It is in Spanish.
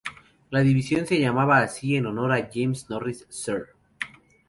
La división se llamaba así en honor a James Norris Sr..